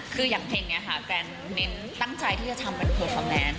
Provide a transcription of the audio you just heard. คืออย่างเพลงนี้ค่ะแฟนเน้นตั้งใจที่จะทำเป็นเพอร์ฟอร์มแลนด์